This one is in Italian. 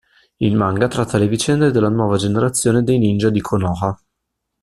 Il manga tratta le vicende della nuova generazione dei ninja di Konoha.